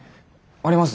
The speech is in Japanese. あります